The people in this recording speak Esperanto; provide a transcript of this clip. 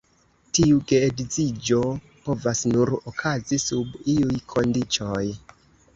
Tiu geedziĝo povas nur okazi sub iuj kondiĉoj.